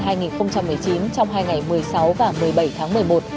trong hai ngày một mươi sáu và một mươi bảy tháng một mươi một